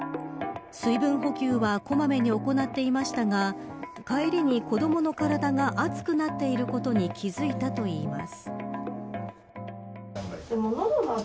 水分補給は小まめに行っていましたが帰りに子どもの体が熱くなっていることに気付いたといいます。